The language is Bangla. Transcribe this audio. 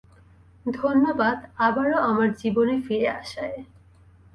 ধন্যবাদ, আবারো আমার জীবনে ফিরে আসায়।